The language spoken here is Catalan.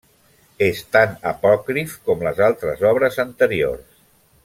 És tan apòcrif com les altres obres anteriors.